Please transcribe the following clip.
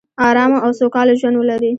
ارامه او سوکاله ژوندولري